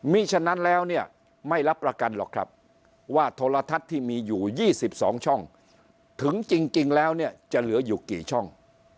มีฉะนั้นแล้วเนี่ยไม่รับประกันหรอกครับว่าโทรทัศน์ที่มีอยู่๒๒ช่องถึงจริงแล้วเนี่ยจะเหลืออยู่กี่ช่อง